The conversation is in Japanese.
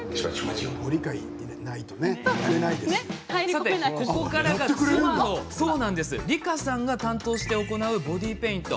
さて、ここからが妻の、りかさんが担当して行うボディーペイント。